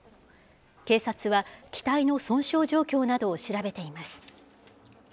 警察は、機体の損傷状況などを調べています。